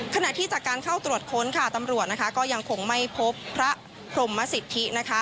ขณะที่จากการเข้าตรวจค้นค่ะตำรวจนะคะก็ยังคงไม่พบพระพรมสิทธินะคะ